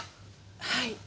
はい。